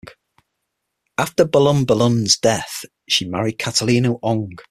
After Balunbalunan's death, she married Catalino Ong.